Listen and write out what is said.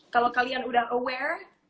kalau kalian udah aware